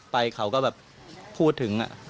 ไปเขาก็แบบพูดถึง